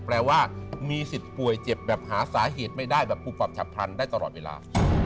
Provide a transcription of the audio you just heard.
แปลว่ามีสิทธิ์ป่วยเจ็บแบบหาสาเหตุไม่ได้แบบปูปับฉับพลันได้ตลอดเวลา